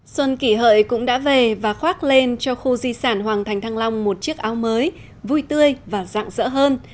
xuân kỳ hợi cũng đã về và khoác lên cho khu di sản hoàng thành thăng long một chiếc áo mới vui tươi và dạng dỡ hơn